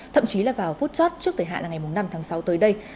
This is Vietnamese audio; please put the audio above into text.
thậm chí là vào phút chót trước thời hạn là ngày năm tháng sáu tới đây